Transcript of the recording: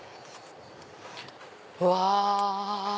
うわ！